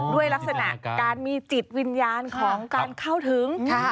ด้วยลักษณะการมีจิตวิญญาณของการเข้าถึง